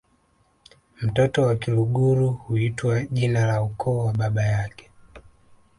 Mtoto wa Kiluguru huitwa jina la ukoo wa baba yake